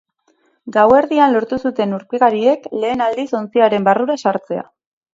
Gauerdian lortu zuten urpekariek lehen aldiz ontziaren barrura sartzea.